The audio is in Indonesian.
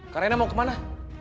karena mau kemana